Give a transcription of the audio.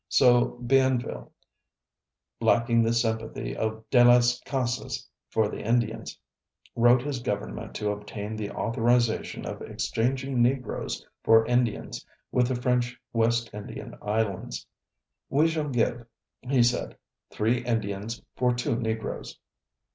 So Bienville, lacking the sympathy of De las Casas for the Indians, wrote his government to obtain the authorization of exchanging Negroes for Indians with the French West Indian islands. "We shall give," he said, "three Indians for two Negroes.